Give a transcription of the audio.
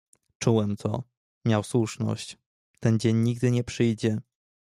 "Czułem to: miał słuszność; ten dzień nigdy nie przyjdzie."